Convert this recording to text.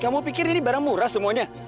kamu pikir ini barang murah semuanya